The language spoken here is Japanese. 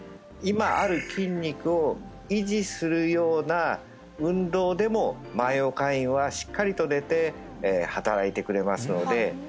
今ある筋肉を維持するような運動でもマイオカインはしっかりと出て働いてくれますので